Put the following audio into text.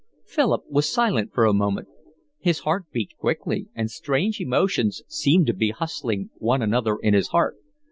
Philip was silent for a moment. His heart beat quickly, and strange emotions seemed to be hustling one another in his heart.